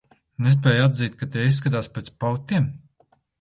Nespēj atzīt, ka tie izskatās pēc pautiem?